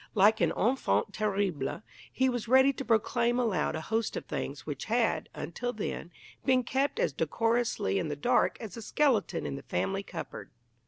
Like an enfant terrible, he was ready to proclaim aloud a host of things which had, until then, been kept as decorously in the dark as the skeleton in the family cupboard.